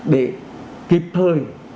để kịp thời